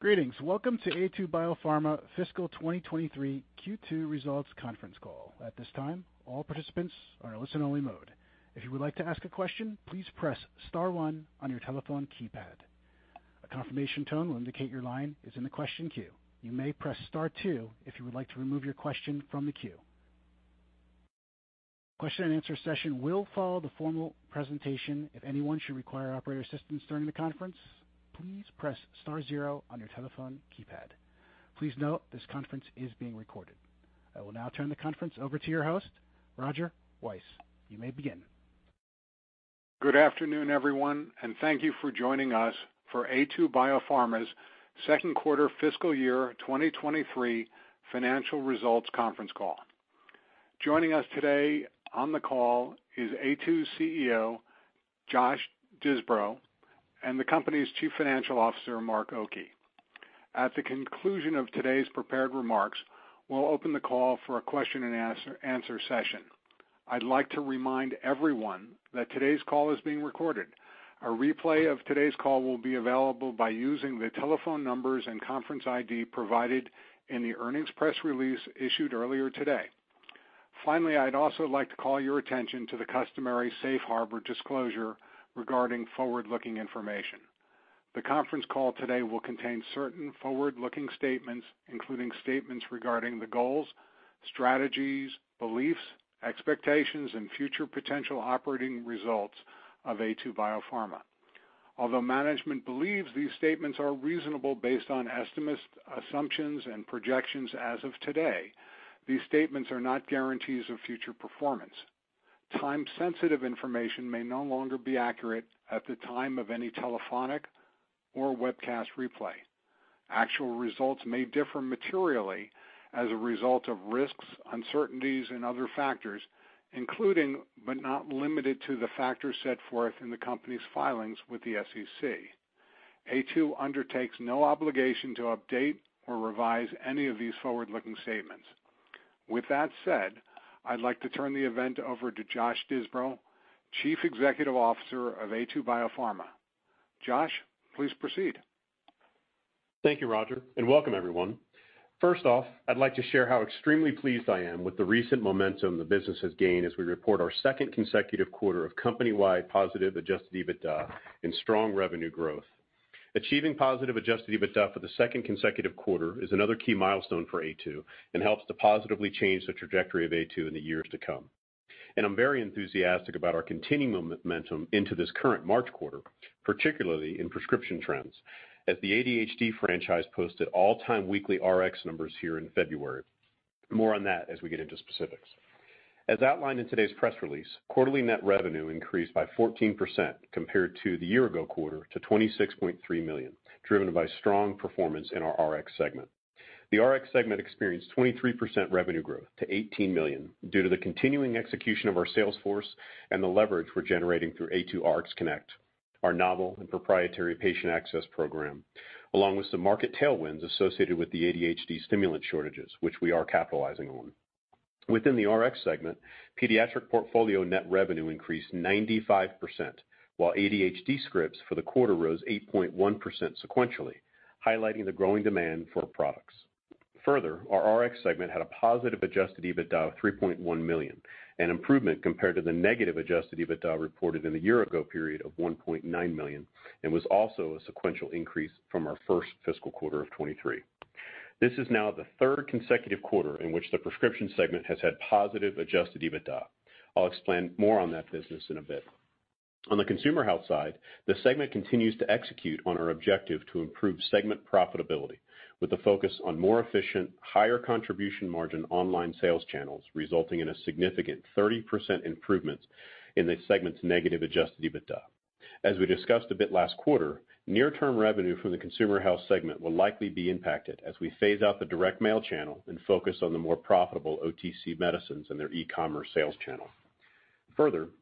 Greetings. Welcome to Aytu BioPharma Fiscal 2023 Q2 Results Conference Call. At this time, all participants are in listen-only mode. If you would like to ask a question, please press star one on your telephone keypad. A confirmation tone will indicate your line is in the question queue. You may press star two if you would like to remove your question from the queue. Question and answer session will follow the formal presentation. If anyone should require operator assistance during the conference, please press star zero on your telephone keypad. Please note this conference is being recorded. I will now turn the conference over to your host, Roger Weiss. You may begin. Good afternoon, everyone, and thank you for joining us for Aytu BioPharma's second quarter fiscal year 2023 financial results conference call. Joining us today on the call is Aytu's CEO, Josh Disbrow, and the company's Chief Financial Officer, Mark Oki. At the conclusion of today's prepared remarks, we'll open the call for a question and answer session. I'd like to remind everyone that today's call is being recorded. A replay of today's call will be available by using the telephone numbers and conference ID provided in the earnings press release issued earlier today. I'd also like to call your attention to the customary safe harbor disclosure regarding forward-looking information. The conference call today will contain certain forward-looking statements, including statements regarding the goals, strategies, beliefs, expectations, and future potential operating results of Aytu BioPharma. Although management believes these statements are reasonable based on estimates, assumptions, and projections as of today, these statements are not guarantees of future performance. Time-sensitive information may no longer be accurate at the time of any telephonic or webcast replay. Actual results may differ materially as a result of risks, uncertainties, and other factors, including but not limited to, the factors set forth in the company's filings with the SEC. Aytu undertakes no obligation to update or revise any of these forward-looking statements. With that said, I'd like to turn the event over to Josh Disbrow, Chief Executive Officer of Aytu BioPharma. Josh, please proceed. Thank you, Roger, and welcome everyone. First off, I'd like to share how extremely pleased I am with the recent momentum the business has gained as we report our second consecutive quarter of company-wide positive Adjusted EBITDA and strong revenue growth. Achieving positive Adjusted EBITDA for the second consecutive quarter is another key milestone for Aytu and helps to positively change the trajectory of Aytu in the years to come. I'm very enthusiastic about our continuing momentum into this current March quarter, particularly in prescription trends as the ADHD franchise posted all-time weekly RX numbers here in February. More on that as we get into specifics. As outlined in today's press release, quarterly net revenue increased by 14% compared to the year ago quarter to $26.3 million, driven by strong performance in our RX segment. The RX segment experienced 23% revenue growth to $18 million due to the continuing execution of our sales force and the leverage we're generating through Aytu RxConnect, our novel and proprietary patient access program, along with some market tailwinds associated with the ADHD stimulant shortages, which we are capitalizing on. Within the RX segment, pediatric portfolio net revenue increased 95%, while ADHD scripts for the quarter rose 8.1% sequentially, highlighting the growing demand for our products. Our RX segment had a positive Adjusted EBITDA of $3.1 million, an improvement compared to the negative Adjusted EBITDA reported in the year-ago period of $1.9 million and was also a sequential increase from our first fiscal quarter of 2023. This is now the third consecutive quarter in which the prescription segment has had positive Adjusted EBITDA. I'll explain more on that business in a bit. On the consumer health side, the segment continues to execute on our objective to improve segment profitability with a focus on more efficient, higher contribution margin online sales channels, resulting in a significant 30% improvement in the segment's negative Adjusted EBITDA. As we discussed a bit last quarter, near-term revenue from the consumer health segment will likely be impacted as we phase out the direct mail channel and focus on the more profitable OTC medicines and their e-commerce sales channel.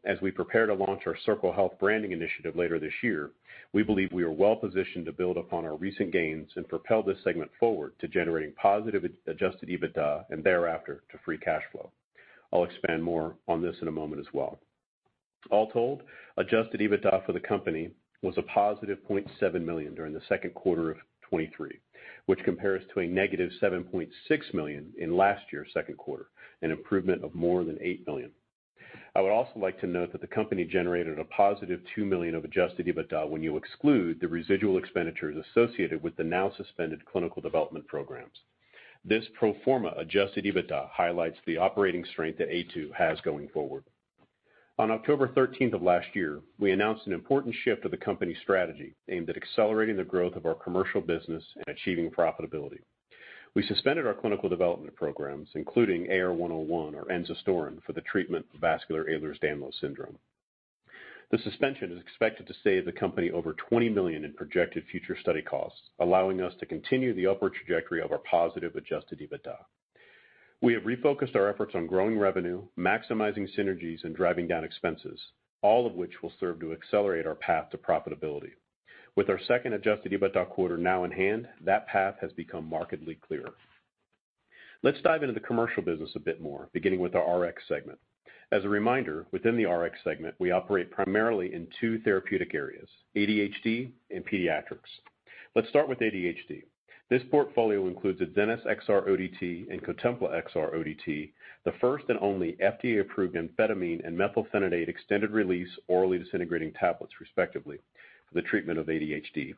As we prepare to launch our Circle Health branding initiative later this year, we believe we are well positioned to build upon our recent gains and propel this segment forward to generating positive Adjusted EBITDA and thereafter to free cash flow. I'll expand more on this in a moment as well. All told, Adjusted EBITDA for the company was a positive $0.7 million during the second quarter of 2023, which compares to a negative $7.6 million in last year's second quarter, an improvement of more than $8 million. I would also like to note that the company generated a positive $2 million of Adjusted EBITDA when you exclude the residual expenditures associated with the now suspended clinical development programs. This pro forma Adjusted EBITDA highlights the operating strength that Aytu has going forward. On October 13th of last year, we announced an important shift of the company's strategy aimed at accelerating the growth of our commercial business and achieving profitability. We suspended our clinical development programs, including AR101 or enzastaurin, for the treatment of vascular Ehlers-Danlos syndrome. The suspension is expected to save the company over $20 million in projected future study costs, allowing us to continue the upward trajectory of our positive Adjusted EBITDA. We have refocused our efforts on growing revenue, maximizing synergies, and driving down expenses, all of which will serve to accelerate our path to profitability. With our second Adjusted EBITDA quarter now in hand, that path has become markedly clearer. Let's dive into the commercial business a bit more, beginning with our Rx segment. As a reminder, within the Rx segment, we operate primarily in two therapeutic areas, ADHD and pediatrics. Let's start with ADHD. This portfolio includes Adzenys XR-ODT and Cotempla XR-ODT, the first and only FDA-approved amphetamine and methylphenidate extended-release orally disintegrating tablets, respectively, for the treatment of ADHD.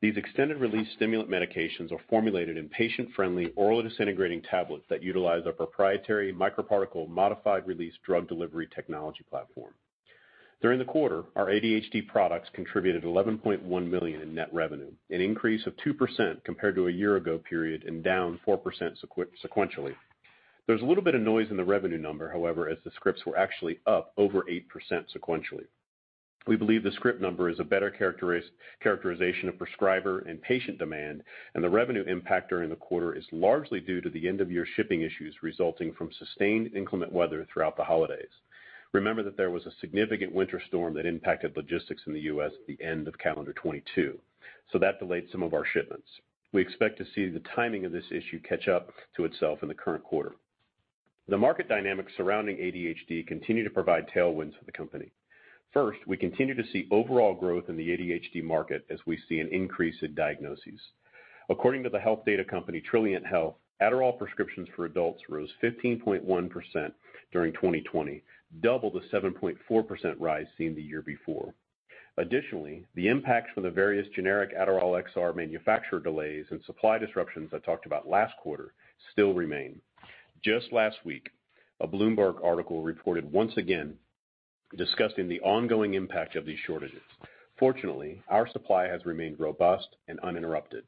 These extended-release stimulant medications are formulated in patient-friendly oral disintegrating tablets that utilize our proprietary microparticle modified-release drug delivery technology platform. During the quarter, our ADHD products contributed $11.1 million in net revenue, an increase of 2% compared to a year-ago period and down 4% sequentially. There's a little bit of noise in the revenue number, however, as the scripts were actually up over 8% sequentially. We believe the script number is a better characterization of prescriber and patient demand and the revenue impact during the quarter is largely due to the end-of-year shipping issues resulting from sustained inclement weather throughout the holidays. Remember that there was a significant winter storm that impacted logistics in the U.S. at the end of calendar 2022, That delayed some of our shipments. We expect to see the timing of this issue catch up to itself in the current quarter. The market dynamics surrounding ADHD continue to provide tailwinds for the company. First, we continue to see overall growth in the ADHD market as we see an increase in diagnoses. According to the health data company Trilliant Health, Adderall prescriptions for adults rose 15.1% during 2020, double the 7.4% rise seen the year before. The impacts from the various generic Adderall XR manufacturer delays and supply disruptions I talked about last quarter still remain. Just last week, a Bloomberg article reported once again discussing the ongoing impact of these shortages. Our supply has remained robust and uninterrupted.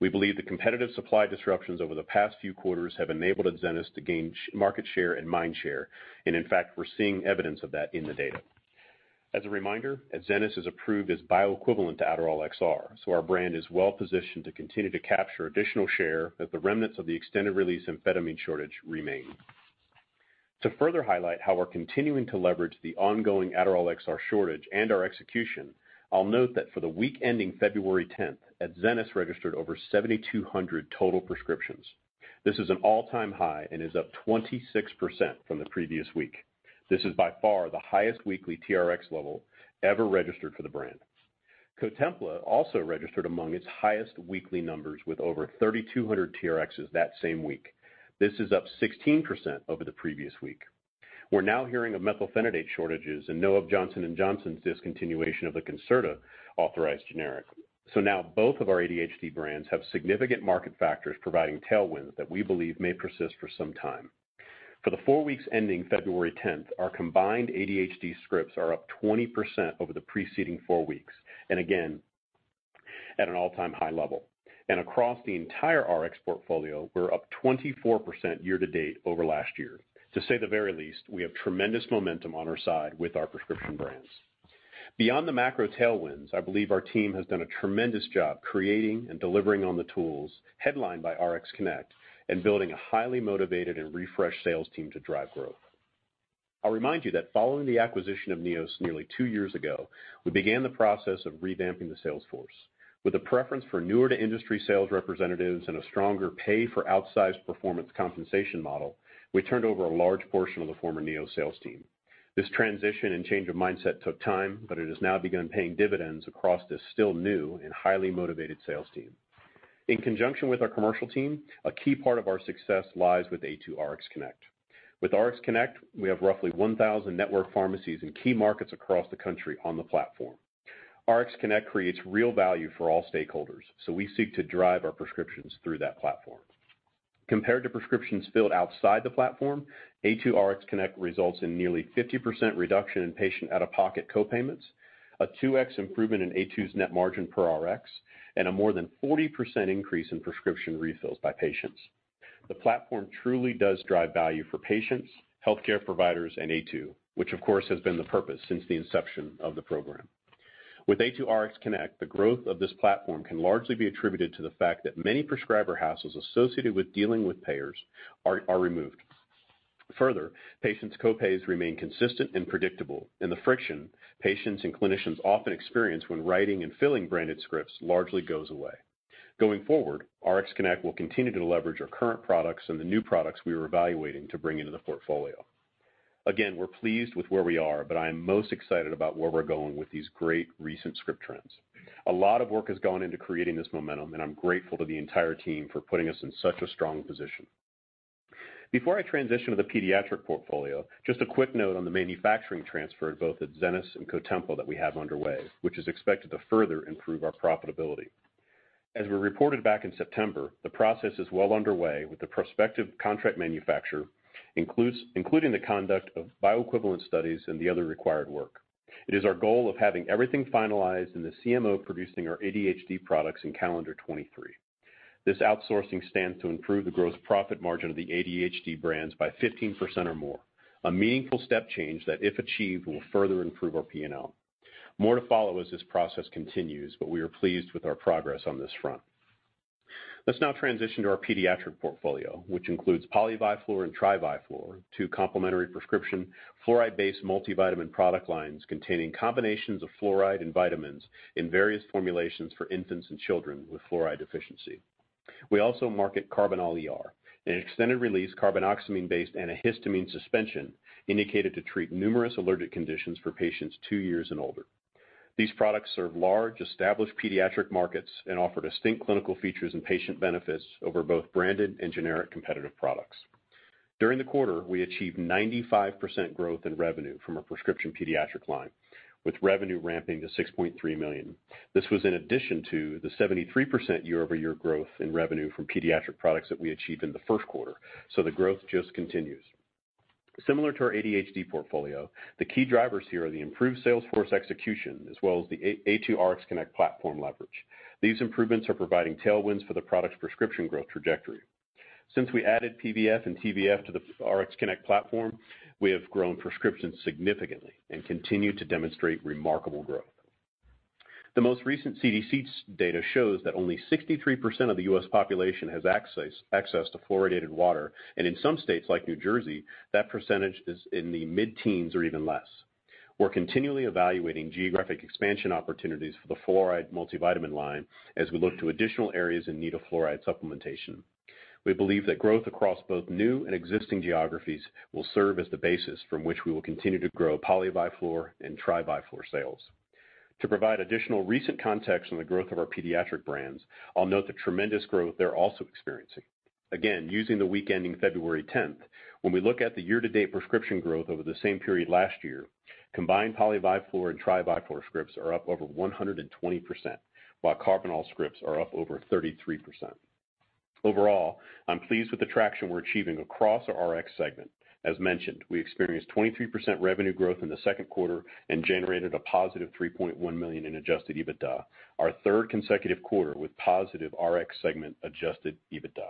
We believe the competitive supply disruptions over the past few quarters have enabled Adzenys to gain market share and mind share, and in fact, we're seeing evidence of that in the data. As a reminder, Adzenys is approved as bioequivalent to Adderall XR, our brand is well-positioned to continue to capture additional share as the remnants of the extended-release amphetamine shortage remain. To further highlight how we're continuing to leverage the ongoing Adderall XR shortage and our execution, I'll note that for the week ending February 10th, Adzenys registered over 7,200 total prescriptions. This is an all-time high and is up 26% from the previous week. This is by far the highest weekly TRx level ever registered for the brand. Cotempla also registered among its highest weekly numbers with over 3,200 TRxs that same week. This is up 16% over the previous week. We're now hearing of methylphenidate shortages and know of Johnson & Johnson's discontinuation of the Concerta authorized generic. Now both of our ADHD brands have significant market factors providing tailwinds that we believe may persist for some time. For the four weeks ending February 10th, our combined ADHD scripts are up 20% over the preceding four weeks, and again, at an all-time high level. Across the entire Rx portfolio, we're up 24% year-to-date over last year. To say the very least, we have tremendous momentum on our side with our prescription brands. Beyond the macro tailwinds, I believe our team has done a tremendous job creating and delivering on the tools headlined by RxConnect and building a highly motivated and refreshed sales team to drive growth. I'll remind you that following the acquisition of Neos nearly two years ago, we began the process of revamping the sales force. With a preference for newer-to-industry sales representatives and a stronger pay-for-outsized performance compensation model, we turned over a large portion of the former Neos sales team. This transition and change of mindset took time, but it has now begun paying dividends across this still new and highly motivated sales team. In conjunction with our commercial team, a key part of our success lies with Aytu RxConnect. With RxConnect, we have roughly 1,000 network pharmacies in key markets across the country on the platform. RxConnect creates real value for all stakeholders, so we seek to drive our prescriptions through that platform. Compared to prescriptions filled outside the platform, Aytu RxConnect results in nearly 50% reduction in patient out-of-pocket co-payments, a 2x improvement in Aytu's net margin per Rx, and a more than 40% increase in prescription refills by patients. The platform truly does drive value for patients, healthcare providers, and Aytu, which of course has been the purpose since the inception of the program. With Aytu RxConnect, the growth of this platform can largely be attributed to the fact that many prescriber hassles associated with dealing with payers are removed. Further, patients' co-pays remain consistent and predictable, and the friction patients and clinicians often experience when writing and filling branded scripts largely goes away. Going forward, RxConnect will continue to leverage our current products and the new products we are evaluating to bring into the portfolio. Again, we're pleased with where we are, but I am most excited about where we're going with these great recent script trends. A lot of work has gone into creating this momentum, and I'm grateful to the entire team for putting us in such a strong position. Before I transition to the pediatric portfolio, just a quick note on the manufacturing transfer of both Adzenys and Cotempla that we have underway, which is expected to further improve our profitability. As we reported back in September, the process is well underway with the prospective contract manufacturer including the conduct of bioequivalent studies and the other required work. It is our goal of having everything finalized and the CMO producing our ADHD products in calendar 2023. This outsourcing stands to improve the gross profit margin of the ADHD brands by 15% or more, a meaningful step change that, if achieved, will further improve our P&L. More to follow as this process continues. We are pleased with our progress on this front. Let's now transition to our pediatric portfolio, which includes Poly-Vi-Flor and Tri-Vi-Flor, two complementary prescription fluoride-based multivitamin product lines containing combinations of fluoride and vitamins in various formulations for infants and children with fluoride deficiency. We also market Karbinal ER, an extended-release carbinoxamine-based antihistamine suspension indicated to treat numerous allergic conditions for patients two years and older. These products serve large, established pediatric markets and offer distinct clinical features and patient benefits over both branded and generic competitive products. During the quarter, we achieved 95% growth in revenue from our prescription pediatric line, with revenue ramping to $6.3 million. This was in addition to the 73% year-over-year growth in revenue from pediatric products that we achieved in the first quarter. The growth just continues. Similar to our ADHD portfolio, the key drivers here are the improved sales force execution as well as the Aytu RxConnect platform leverage. These improvements are providing tailwinds for the product's prescription growth trajectory. Since we added PVF and TVF to the RxConnect platform, we have grown prescriptions significantly and continue to demonstrate remarkable growth. The most recent CDC data shows that only 63% of the U.S. population has access to fluoridated water, and in some states like New Jersey, that percentage is in the mid-teens or even less. We're continually evaluating geographic expansion opportunities for the fluoride multivitamin line as we look to additional areas in need of fluoride supplementation. We believe that growth across both new and existing geographies will serve as the basis from which we will continue to grow Poly-Vi-Flor and Tri-Vi-Flor sales. To provide additional recent context on the growth of our pediatric brands, I'll note the tremendous growth they're also experiencing. Again, using the week ending February 10th, when we look at the year-to-date prescription growth over the same period last year, combined Poly-Vi-Flor and Tri-Vi-Flor scripts are up over 120%, while Karbinal scripts are up over 33%. Overall, I'm pleased with the traction we're achieving across our Rx segment. As mentioned, we experienced 23% revenue growth in the second quarter and generated a positive $3.1 million in Adjusted EBITDA, our third consecutive quarter with positive Rx segment Adjusted EBITDA.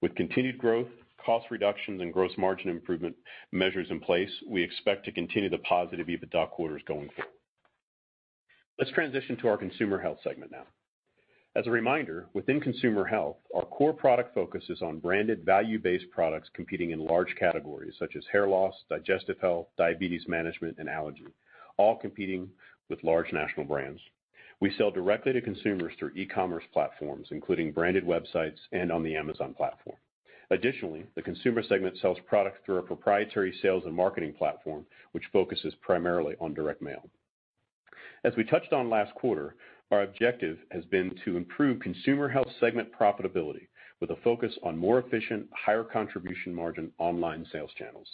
With continued growth, cost reductions, and gross margin improvement measures in place, we expect to continue the positive EBITDA quarters going forward. Let's transition to our consumer health segment now. As a reminder, within consumer health, our core product focus is on branded, value-based products competing in large categories such as hair loss, digestive health, diabetes management, and allergy, all competing with large national brands. We sell directly to consumers through e-commerce platforms, including branded websites and on the Amazon platform. Additionally, the consumer segment sells products through our proprietary sales and marketing platform, which focuses primarily on direct mail. As we touched on last quarter, our objective has been to improve consumer health segment profitability with a focus on more efficient, higher contribution margin online sales channels.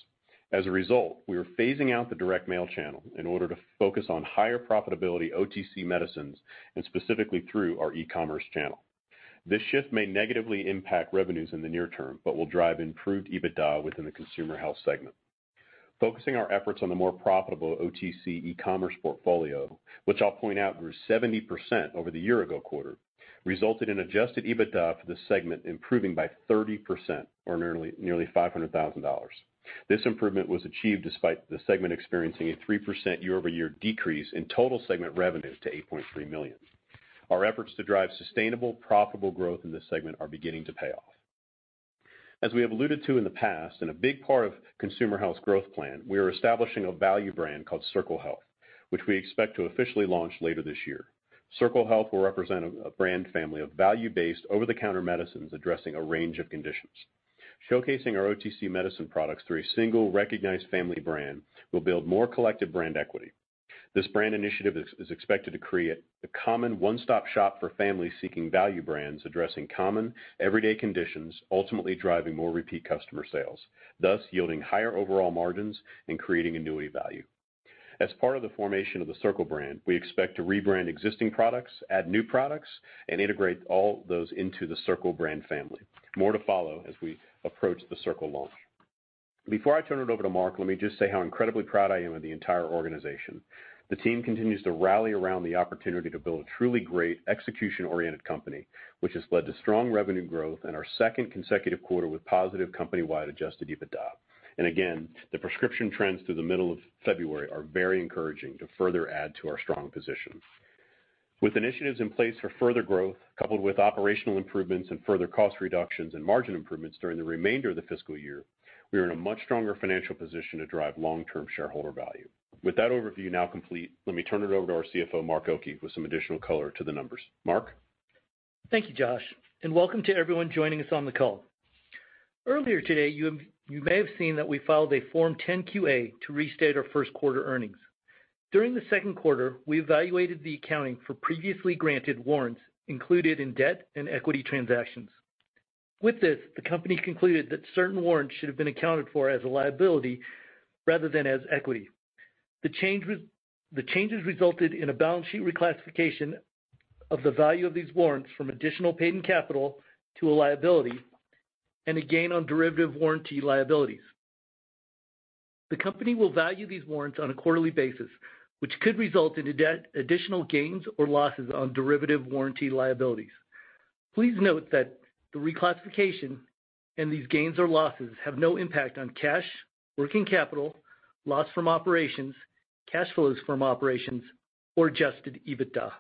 As a result, we are phasing out the direct mail channel in order to focus on higher profitability OTC medicines and specifically through our e-commerce channel. This shift may negatively impact revenues in the near term, but will drive improved EBITDA within the consumer health segment. Focusing our efforts on the more profitable OTC e-commerce portfolio, which I'll point out grew 70% over the year-ago quarter, resulted in Adjusted EBITDA for the segment improving by 30% or nearly $500,000. This improvement was achieved despite the segment experiencing a 3% year-over-year decrease in total segment revenue to $8.3 million. Our efforts to drive sustainable, profitable growth in this segment are beginning to pay off. As we have alluded to in the past, and a big part of consumer health's growth plan, we are establishing a value brand called Circle Health, which we expect to officially launch later this year. Circle Health will represent a brand family of value-based, over-the-counter medicines addressing a range of conditions. Showcasing our OTC medicine products through a single recognized family brand will build more collective brand equity. This brand initiative is expected to create a common one-stop shop for families seeking value brands addressing common, everyday conditions, ultimately driving more repeat customer sales, thus yielding higher overall margins and creating annuity value. As part of the formation of the Circle brand, we expect to rebrand existing products, add new products, and integrate all those into the Circle brand family. More to follow as we approach the Circle launch. Before I turn it over to Mark, let me just say how incredibly proud I am of the entire organization. The team continues to rally around the opportunity to build a truly great execution-oriented company, which has led to strong revenue growth and our second consecutive quarter with positive company-wide Adjusted EBITDA. Again, the prescription trends through the middle of February are very encouraging to further add to our strong position. With initiatives in place for further growth, coupled with operational improvements and further cost reductions and margin improvements during the remainder of the fiscal year, we are in a much stronger financial position to drive long-term shareholder value. With that overview now complete, let me turn it over to our CFO, Mark Oki, with some additional color to the numbers. Mark? Thank you, Josh, and welcome to everyone joining us on the call. Earlier today, you may have seen that we filed a Form 10-Q/A to restate our first quarter earnings. During the second quarter, we evaluated the accounting for previously granted warrants included in debt and equity transactions. With this, the company concluded that certain warrants should have been accounted for as a liability rather than as equity. The changes resulted in a balance sheet reclassification of the value of these warrants from additional paid-in capital to a liability and a gain on derivative warrant liabilities. The company will value these warrants on a quarterly basis, which could result in additional gains or losses on derivative warrant liabilities. Please note that the reclassification and these gains or losses have no impact on cash, working capital, loss from operations, cash flows from operations, or Adjusted EBITDA.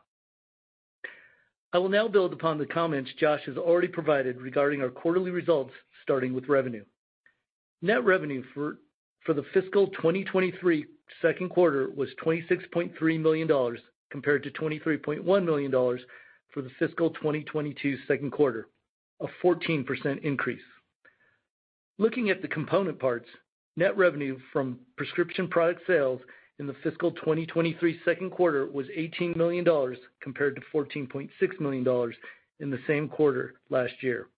I will now build upon the comments Josh has already provided regarding our quarterly results, starting with revenue. Net revenue for the fiscal 2023 second quarter was $26.3 million compared to $23.1 million for the fiscal 2022 second quarter, a 14% increase. Looking at the component parts, net revenue from prescription product sales in the fiscal 2023 second quarter was $18 million compared to $14.6 million in the same quarter last year,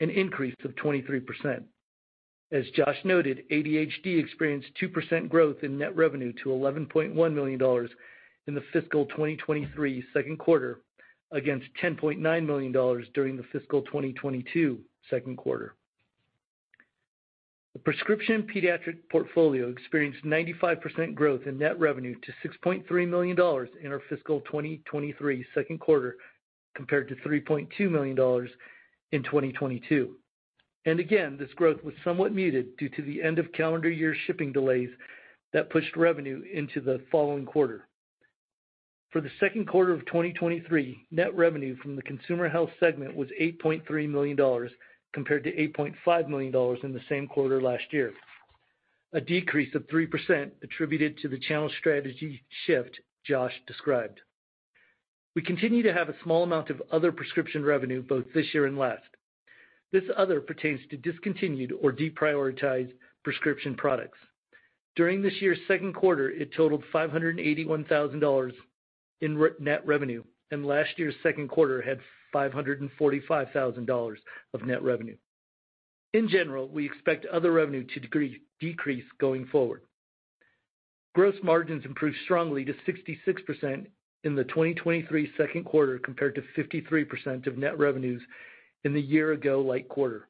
an increase of 23%. As Josh noted, ADHD experienced 2% growth in net revenue to $11.1 million in the fiscal 2023 second quarter against $10.9 million during the fiscal 2022 second quarter. The prescription pediatric portfolio experienced 95% growth in net revenue to $6.3 million in our fiscal 2023 second quarter compared to $3.2 million in 2022. Again, this growth was somewhat muted due to the end of calendar year shipping delays that pushed revenue into the following quarter. For the second quarter of 2023, net revenue from the consumer health segment was $8.3 million compared to $8.5 million in the same quarter last year. A decrease of 3% attributed to the channel strategy shift Josh described. We continue to have a small amount of other prescription revenue both this year and last. This other pertains to discontinued or deprioritized prescription products. During this year's second quarter, it totaled $581,000 in net revenue. Last year's second quarter had $545,000 of net revenue. In general, we expect other revenue to decrease going forward. Gross margins improved strongly to 66% in the 2023 second quarter compared to 53% of net revenues in the year-ago like quarter.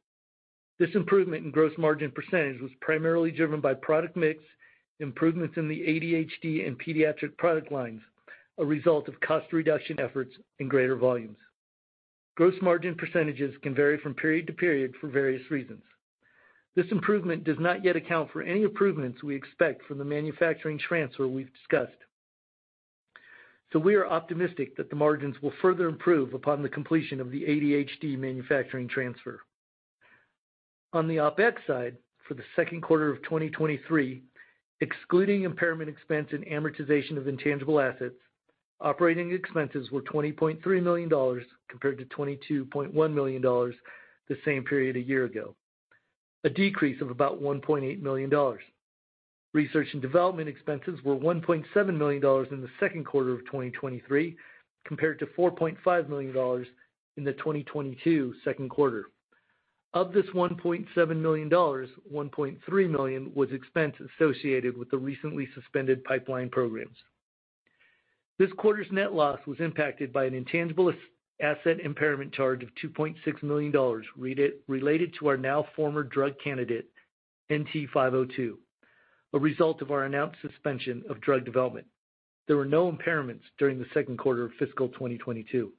This improvement in gross margin percentage was primarily driven by product mix, improvements in the ADHD and pediatric product lines, a result of cost reduction efforts and greater volumes. Gross margin percentages can vary from period to period for various reasons. This improvement does not yet account for any improvements we expect from the manufacturing transfer we've discussed. We are optimistic that the margins will further improve upon the completion of the ADHD manufacturing transfer. On the OpEx side, for the second quarter of 2023, excluding impairment expense and amortization of intangible assets, operating expenses were $20.3 million compared to $22.1 million the same period a year ago. A decrease of about $1.8 million. Research and development expenses were $1.7 million in the second quarter of 2023 compared to $4.5 million in the 2022 second quarter. Of this $1.7 million, $1.3 million was expense associated with the recently suspended pipeline programs. This quarter's net loss was impacted by an intangible asset impairment charge of $2.6 million related to our now former drug candidate, NT-502, a result of our announced suspension of drug development. There were no impairments during the second quarter of fiscal 2022.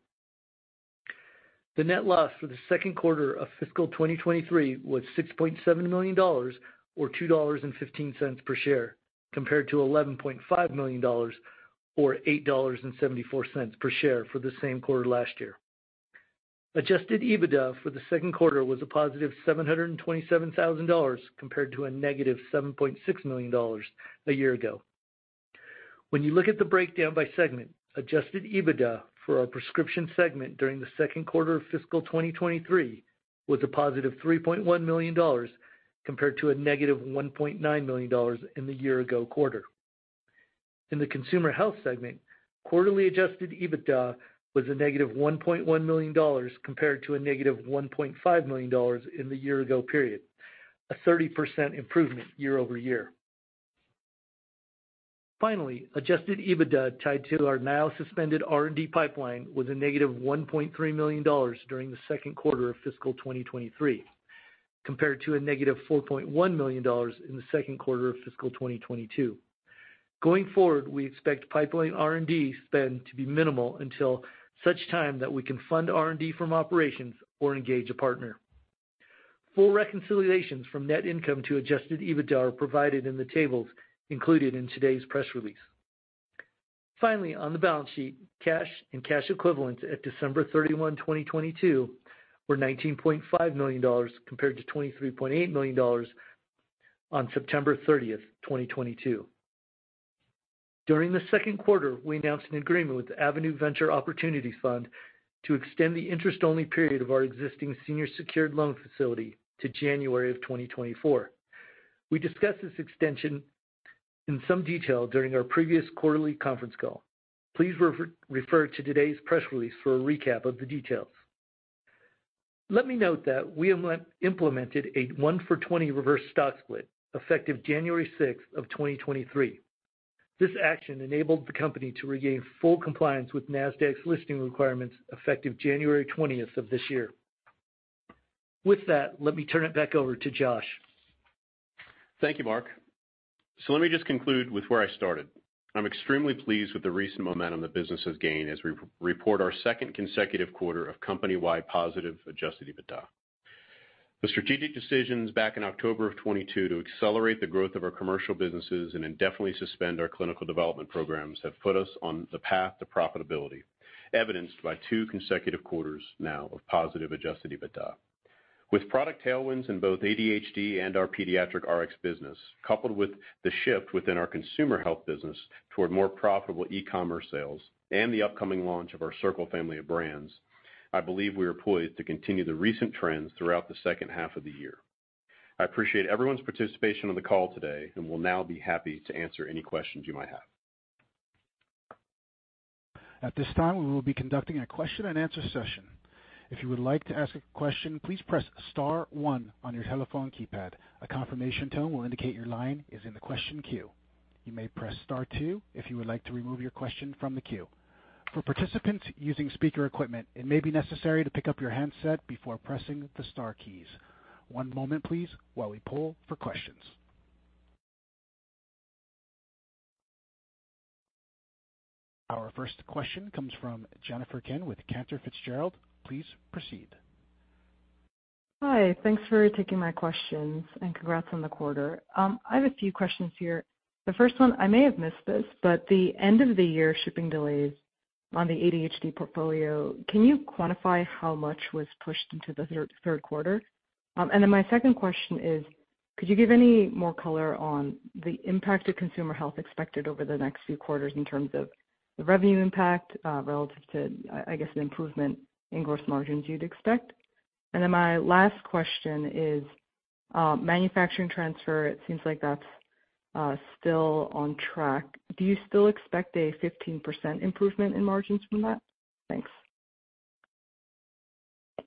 The net loss for the second quarter of fiscal 2023 was $6.7 million or $2.15 per share, compared to $11.5 million or $8.74 per share for the same quarter last year. Adjusted EBITDA for the second quarter was a positive $727,000 compared to a negative $7.6 million a year ago. When you look at the breakdown by segment, Adjusted EBITDA for our prescription segment during the second quarter of fiscal 2023 was a positive $3.1 million compared to a negative $1.9 million in the year-ago quarter. In the consumer health segment, quarterly Adjusted EBITDA was a negative $1.1 million compared to a negative $1.5 million in the year-ago period, a 30% improvement year-over-year. Adjusted EBITDA tied to our now suspended R&D pipeline was a negative $1.3 million during the second quarter of fiscal 2023, compared to a negative $4.1 million in the second quarter of fiscal 2022. Going forward, we expect pipeline R&D spend to be minimal until such time that we can fund R&D from operations or engage a partner. Full reconciliations from net income to Adjusted EBITDA are provided in the tables included in today's press release. On the balance sheet, cash and cash equivalents at December 31, 2022, were $19.5 million compared to $23.8 million on September 30th, 2022. During the second quarter, we announced an agreement with Avenue Venture Opportunities Fund to extend the interest-only period of our existing senior secured loan facility to January of 2024. We discussed this extension in some detail during our previous quarterly conference call. Please refer to today's press release for a recap of the details. Let me note that we have implemented a 1 for 20 reverse stock split effective January 6th of 2023. This action enabled the company to regain full compliance with Nasdaq's listing requirements effective January 20th of this year. With that, let me turn it back over to Josh. Thank you, Mark. Let me just conclude with where I started. I'm extremely pleased with the recent momentum the business has gained as we re-report our second consecutive quarter of company-wide positive Adjusted EBITDA. The strategic decisions back in October of 2022 to accelerate the growth of our commercial businesses and indefinitely suspend our clinical development programs have put us on the path to profitability, evidenced by two consecutive quarters now of positive Adjusted EBITDA. With product tailwinds in both ADHD and our pediatric RX business, coupled with the shift within our consumer health business toward more profitable e-commerce sales and the upcoming launch of our Circle family of brands, I believe we are poised to continue the recent trends throughout the second half of the year. I appreciate everyone's participation on the call today and will now be happy to answer any questions you might have. At this time, we will be conducting a question-and-answer session. If you would like to ask a question, please press star 1 on your telephone keypad. A confirmation tone will indicate your line is in the question queue. You may press star 2 if you would like to remove your question from the queue. For participants using speaker equipment, it may be necessary to pick up your handset before pressing the star keys. One moment please while we poll for questions. Our first question comes from Jennifer Kim with Cantor Fitzgerald. Please proceed. Hi. Thanks for taking my questions and congrats on the quarter. I have a few questions here. The first one, I may have missed this, but the end of the year shipping delays on the ADHD portfolio, can you quantify how much was pushed into the third quarter? My second question is, could you give any more color on the impact to consumer health expected over the next few quarters in terms of the revenue impact relative to I guess the improvement in gross margins you'd expect? My last question is, manufacturing transfer, it seems like that's still on track. Do you still expect a 15% improvement in margins from that? Thanks.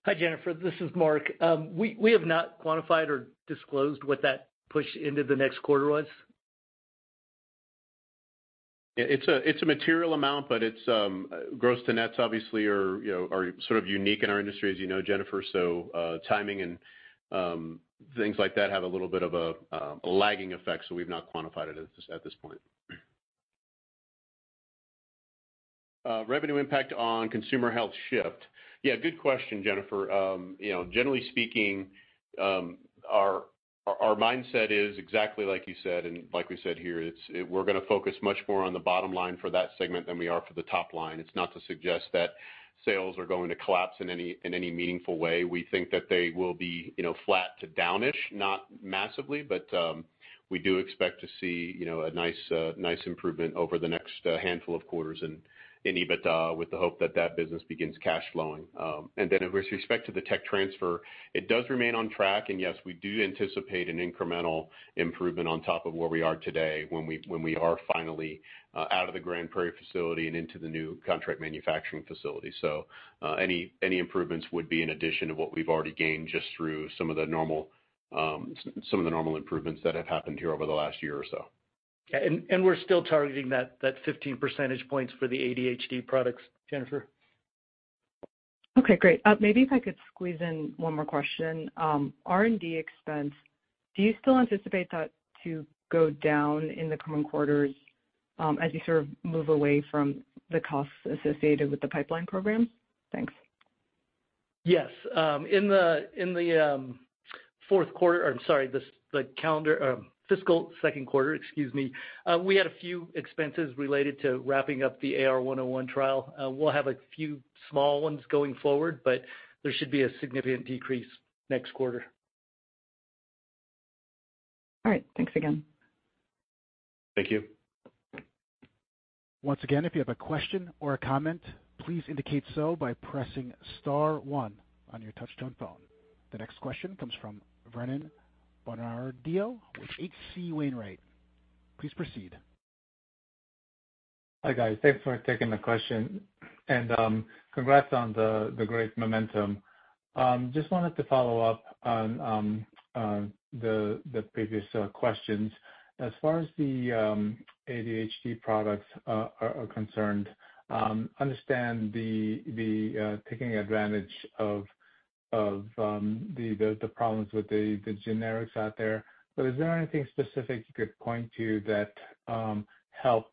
Hi, Jennifer. This is Mark. We have not quantified or disclosed what that push into the next quarter was. It's a, it's a material amount, but it's gross to nets obviously are, you know, are sort of unique in our industry as you know, Jennifer. Timing and things like that have a little bit of a lagging effect, so we've not quantified it at this point. Revenue impact on consumer health shift? Yeah, good question, Jennifer. You know, generally speaking, our mindset is exactly like you said, and like we said here. We're gonna focus much more on the bottom line for that segment than we are for the top line. It's not to suggest that sales are going to collapse in any, in any meaningful way. We think that they will be, you know, flat to down-ish, not massively, but, we do expect to see, you know, a nice improvement over the next handful of quarters in EBITDA with the hope that that business begins cash flowing. With respect to the tech transfer, it does remain on track. Yes, we do anticipate an incremental improvement on top of where we are today when we are finally, out of the Grand Prairie facility and into the new contract manufacturing facility. Any improvements would be in addition to what we've already gained just through some of the normal, some of the normal improvements that have happened here over the last year or so. Yeah. We're still targeting that 15 percentage points for the ADHD products, Jennifer. Great. Maybe if I could squeeze in one more question. R&D expense, do you still anticipate that to go down in the coming quarters, as you sort of move away from the costs associated with the pipeline program? Thanks. Yes. In the Or I'm sorry, this, the calendar, fiscal second quarter, excuse me, we had a few expenses related to wrapping up the AR101 trial. We'll have a few small ones going forward. There should be a significant decrease next quarter. All right. Thanks again. Thank you. Once again, if you have a question or a comment, please indicate so by pressing star one on your touch-tone phone. The next question comes from Vernon Bernardino with H.C. Wainwright. Please proceed. Hi, guys. Thanks for taking the question. Congrats on the great momentum. Just wanted to follow up on the previous questions. As far as the ADHD products are concerned, understand the taking advantage of the problems with the generics out there, but is there anything specific you could point to that help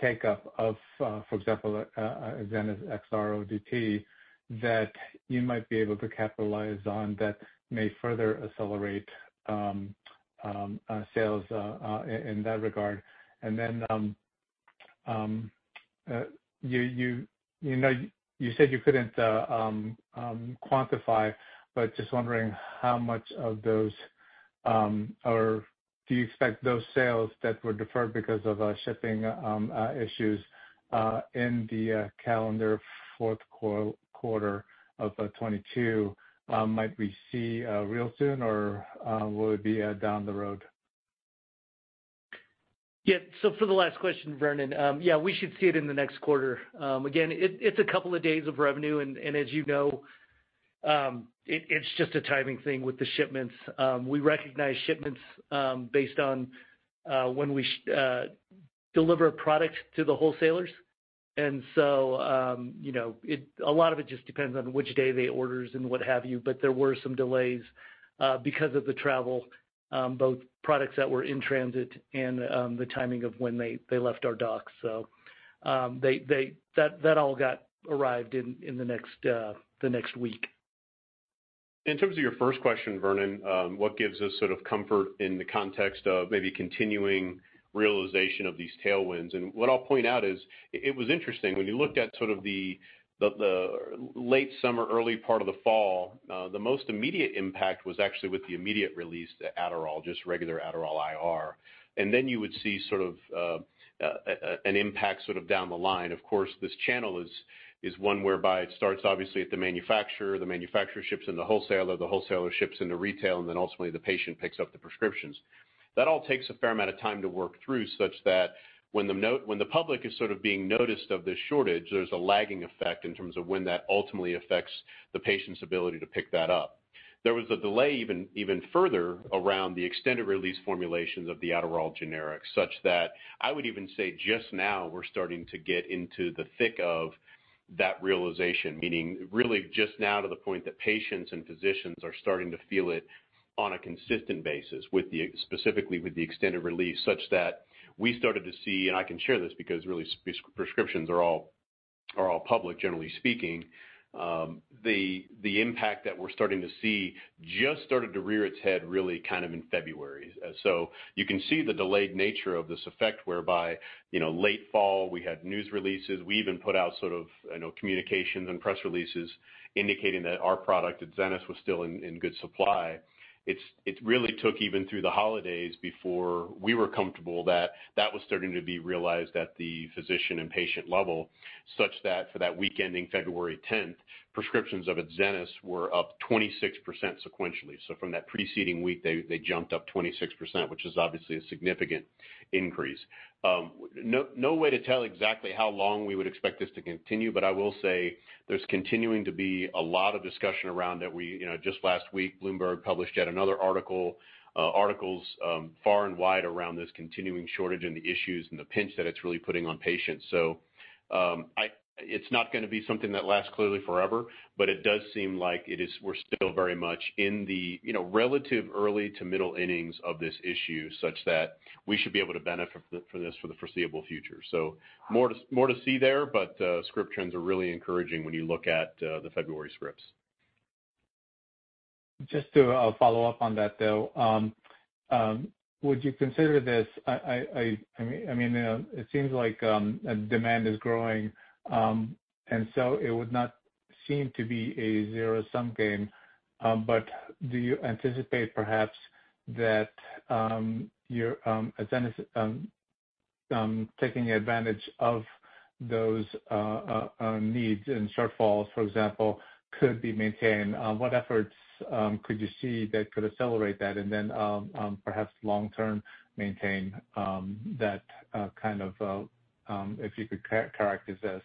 take up of, for example, Xanax XR ODT that you might be able to capitalize on that may further accelerate sales in that regard? You know, you said you couldn't quantify, but just wondering how much of those, or do you expect those sales that were deferred because of shipping issues in the calendar fourth quarter of 2022, might we see real soon or will it be down the road? Yeah. For the last question, Vernon, yeah, we should see it in the next quarter. Again, it's a couple of days of revenue and as you know, it's just a timing thing with the shipments. We recognize shipments based on when we deliver a product to the wholesalers. You know, A lot of it just depends on which day the orders and what have you. There were some delays because of the travel, both products that were in transit and, the timing of when they left our dock. That all got arrived in the next, the next week. In terms of your first question, Vernon, what gives us sort of comfort in the context of maybe continuing realization of these tailwinds? What I'll point out is it was interesting. When you looked at sort of the late summer, early part of the fall, the most immediate impact was actually with the immediate release, the Adderall, just regular Adderall IR. Then you would see sort of an impact sort of down the line. Of course, this channel is one whereby it starts obviously at the manufacturer, the manufacturer ships in the wholesaler, the wholesaler ships into retail, and then ultimately the patient picks up the prescriptions. That all takes a fair amount of time to work through, such that when the public is sort of being noticed of this shortage, there's a lagging effect in terms of when that ultimately affects the patient's ability to pick that up. There was a delay even further around the extended-release formulations of the Adderall generic, such that I would even say just now we're starting to get into the thick of that realization. Meaning really just now to the point that patients and physicians are starting to feel it on a consistent basis with the specifically with the extended release, such that we started to see, and I can share this because really prescriptions are all public, generally speaking. The impact that we're starting to see just started to rear its head really kind of in February. You can see the delayed nature of this effect whereby, you know, late fall, we had news releases. We even put out sort of, I know, communications and press releases indicating that our product, Adzenys, was still in good supply. It really took even through the holidays before we were comfortable that that was starting to be realized at the physician and patient level, such that for that week ending February tenth, prescriptions of Adzenys were up 26% sequentially. From that preceding week, they jumped up 26%, which is obviously a significant increase. No, no way to tell exactly how long we would expect this to continue, but I will say there's continuing to be a lot of discussion around that. We... You know, just last week, Bloomberg published yet another article, articles, far and wide around this continuing shortage and the issues and the pinch that it's really putting on patients. It's not gonna be something that lasts clearly forever, but it does seem like it is... we're still very much in the, you know, relative early to middle innings of this issue, such that we should be able to benefit from this for the foreseeable future. More to see there, but script trends are really encouraging when you look at the February scripts. Just to follow up on that, though. Would you consider this? I mean, it seems like demand is growing, and so it would not seem to be a zero-sum game. Do you anticipate perhaps that your Adzenys, taking advantage of those needs and shortfalls, for example, could be maintained? What efforts could you see that could accelerate that and then perhaps long term maintain that kind of, if you could characterize as,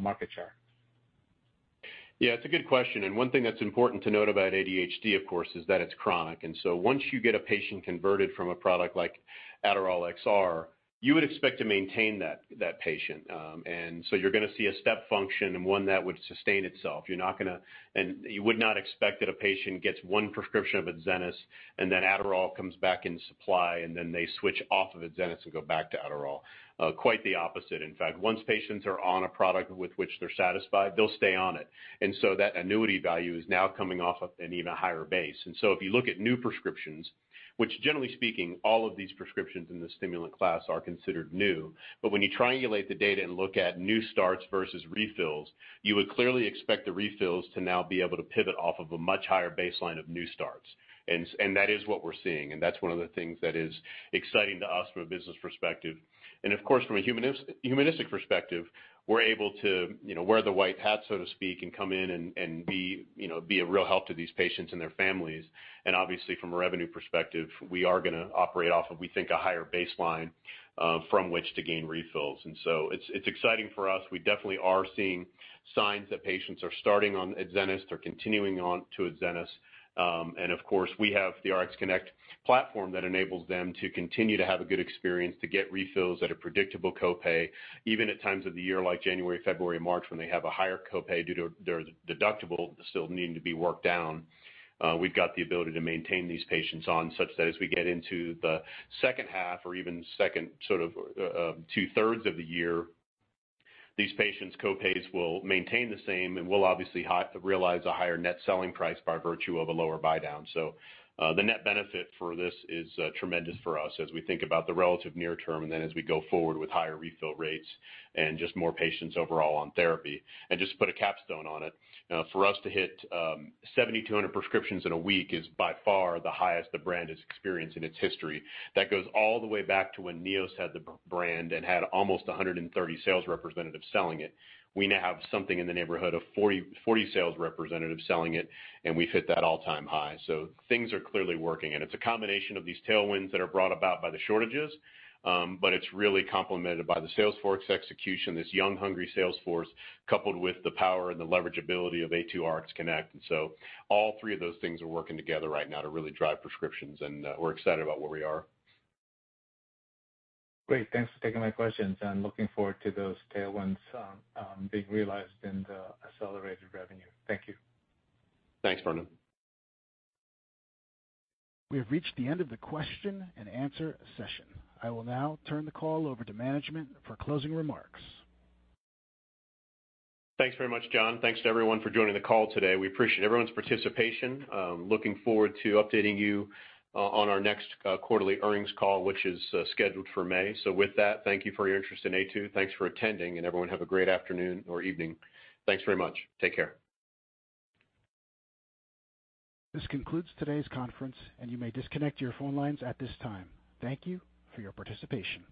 market share? Yeah, it's a good question. One thing that's important to note about ADHD, of course, is that it's chronic. Once you get a patient converted from a product like Adderall XR, you would expect to maintain that patient. So you're gonna see a step function and one that would sustain itself. You would not expect that a patient gets one prescription of Adzenys and then Adderall comes back in supply, and then they switch off of Adzenys and go back to Adderall. Quite the opposite, in fact. Once patients are on a product with which they're satisfied, they'll stay on it. So that annuity value is now coming off of an even higher base. If you look at new prescriptions, which generally speaking, all of these prescriptions in the stimulant class are considered new, but when you triangulate the data and look at new starts versus refills, you would clearly expect the refills to now be able to pivot off of a much higher baseline of new starts. That is what we're seeing, and that's one of the things that is exciting to us from a business perspective. Of course, from a humanistic perspective, we're able to, you know, wear the white hat, so to speak, and come in and be, you know, a real help to these patients and their families. Obviously from a revenue perspective, we are gonna operate off of, we think, a higher baseline from which to gain refills. It's exciting for us. We definitely are seeing signs that patients are starting on Adzenys or continuing on to Adzenys. Of course, we have the RxConnect platform that enables them to continue to have a good experience to get refills at a predictable copay, even at times of the year, like January, February, March, when they have a higher copay due to their deductible still needing to be worked down. We've got the ability to maintain these patients on such that as we get into the second half or even second sort of, two-thirds of the year, these patients' copays will maintain the same, and we'll obviously realize a higher net selling price by virtue of a lower buy down. The net benefit for this is tremendous for us as we think about the relative near term, and then as we go forward with higher refill rates and just more patients overall on therapy. Just to put a capstone on it, for us to hit 7,200 prescriptions in a week is by far the highest the brand has experienced in its history. That goes all the way back to when Neos had the brand and had almost 130 sales representatives selling it. We now have something in the neighborhood of 40 sales representatives selling it, and we've hit that all-time high. Things are clearly working, and it's a combination of these tailwinds that are brought about by the shortages, but it's really complemented by the sales force execution, this young, hungry sales force, coupled with the power and the leverage ability of Aytu RxConnect. All three of those things are working together right now to really drive prescriptions, and we're excited about where we are. Great. Thanks for taking my questions. I'm looking forward to those tailwinds being realized in the accelerated revenue. Thank you. Thanks, Vernon. We have reached the end of the question and answer session. I will now turn the call over to management for closing remarks. Thanks very much, John. Thanks to everyone for joining the call today. We appreciate everyone's participation. Looking forward to updating you on our next quarterly earnings call, which is scheduled for May. With that, thank you for your interest in Aytu. Thanks for attending, and everyone have a great afternoon or evening. Thanks very much. Take care. This concludes today's conference, and you may disconnect your phone lines at this time. Thank you for your participation.